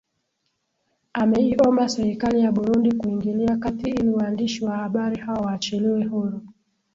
ameiomba serikali ya burundi kuingilia kati ili waandishi wa habari hao waachiliwe huru